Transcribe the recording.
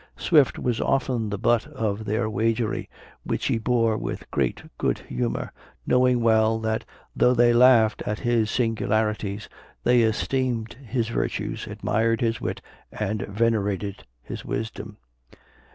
Swift was often the butt of their waggery, which he bore with great good humor, knowing well, that though they laughed at his singularities, they esteemed his virtues, admired his wit, and venerated his wisdom.